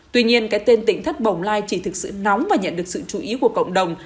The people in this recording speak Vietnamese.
tuy nhiên cái tên tỉnh thất bồng lai chỉ thực sự nóng và nhận được sự chú ý của cộng đồng